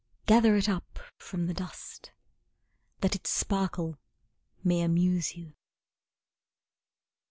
Gather it up from the dust, That its sparkle may amuse you.